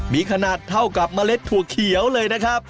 มีขนาดเท่ากับเมล็ดถั่วเขียวเลยนะครับ